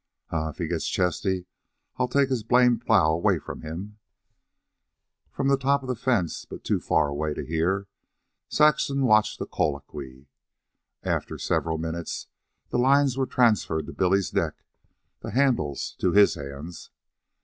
"Huh! If he gets chesty I'll take his blamed plow away from him." From the top of the fence, but too far away to hear, Saxon watched the colloquy. After several minutes, the lines were transferred to Billy's neck, the handles to his hands.